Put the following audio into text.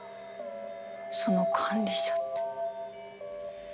その管理者って。